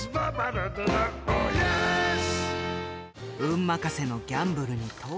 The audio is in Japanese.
運任せのギャンブルに。